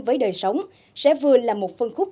với đời sống sẽ vừa là một phân khúc